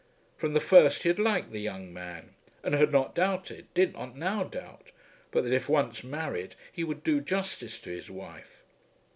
From the first he had liked the young man, and had not doubted, did not now doubt, but that if once married he would do justice to his wife.